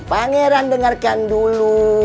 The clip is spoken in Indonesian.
pangeran dengarkan dulu